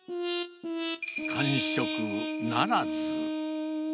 完食ならず。